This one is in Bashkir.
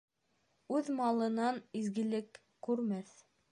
Үҙ малынан изгелек күрмәҫ.